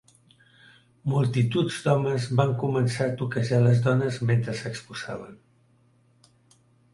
Multituds d'homes van començar a toquejar les dones mentre s'exposaven.